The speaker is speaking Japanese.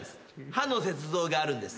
歯の雪像があるんです。